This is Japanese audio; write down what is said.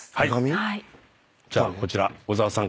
じゃこちら小澤さん